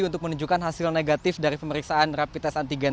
untuk menunjukkan hasil negatif dari pemeriksaan rapid test antigen